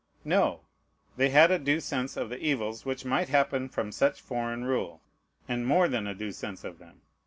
No! they had a due sense of the evils which might happen from such foreign rule, and more than a due sense of them.